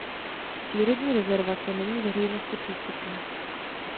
Přírodní rezervace není veřejnosti přístupná.